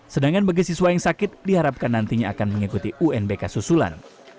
sedangkan bagi siswa yang sakit diharapkan nantinya akan mengikuti unbk susulan